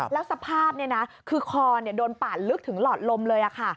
แล้วสภาพคือคอโดนปาดลึกถึงหลอดลมเลย